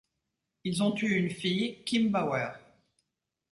Ils ont eu une fille, Kim Bauer.